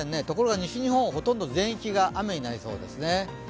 ところが西日本はほとんど全域が雨になりそうですね。